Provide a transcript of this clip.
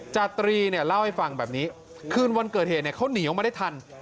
จาตรีเนี่ยเล่าให้ฟังแบบนี้คืนวันเกิดเหตุเขาหนีออกมาได้ทัน